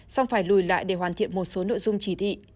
xong phải lùi lại để hoàn thiện một số nội dung chỉ thị